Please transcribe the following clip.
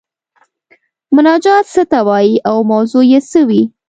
مناجات څه ته وايي او موضوع یې څه وي؟